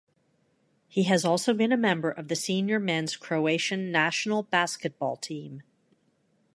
He has also been a member of the senior men's Croatian national basketball team.